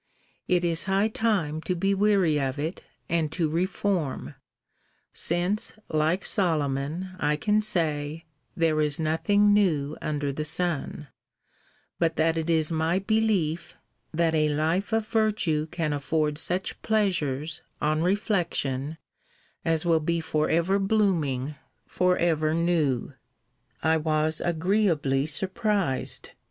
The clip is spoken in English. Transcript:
It is high time to be weary of it, and to reform; since, like Solomon, I can say, There is nothing new under the sun: but that it is my belief, that a life of virtue can afford such pleasures, on reflection, as will be for ever blooming, for ever new! I was agreeably surprised.